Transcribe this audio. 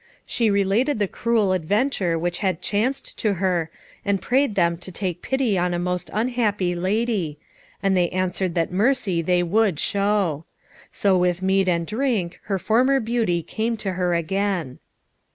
She related the cruel adventure which had chanced to her, and prayed them to take pity on a most unhappy lady, and they answered that mercy they would show. So with meat and drink her former beauty came to her again.